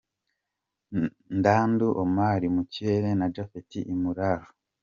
Ndandou Omar mu kirere na Japhet Imurora.